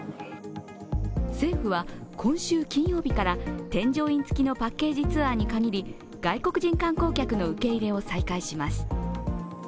政府は今週金曜日から添乗員付きのパッケージツアーにかぎり外国人観光客の受け入れを再開します。